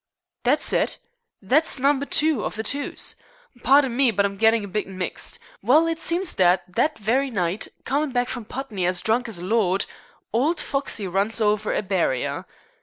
"That's hit. That's number two of the twos. Pardon me, but I'm gettin' a bit mixed. Well, it seems that that very night, comin' back from Putney as drunk as a lord, old Foxey runs over a barrer.